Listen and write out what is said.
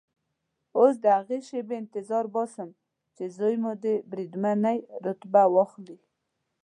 اوس د هغې شېبې انتظار باسم چې زوی مو د بریدمنۍ رتبه واخلي.